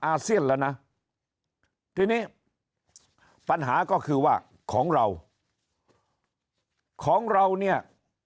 อาเซียนแล้วนะทีนี้ปัญหาก็คือว่าของเราของเราเนี่ย